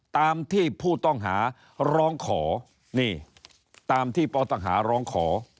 ตามที่ผู้ต้องหาร้องขอนี่ตามที่ปตหาร้องขอ